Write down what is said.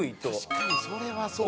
確かにそれはそうか。